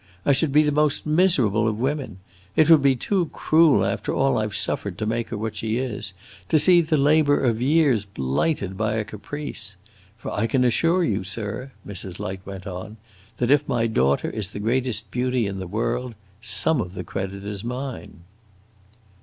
I should be the most miserable of women. It would be too cruel, after all I 've suffered to make her what she is, to see the labor of years blighted by a caprice. For I can assure you, sir," Mrs. Light went on, "that if my daughter is the greatest beauty in the world, some of the credit is mine."